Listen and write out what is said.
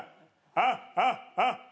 ハッハッハッハ。